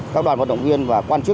các đoàn vận động viên và quan chức